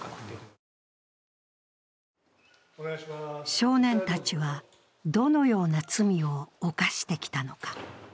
少年たちは、どのような罪を犯してきたのか。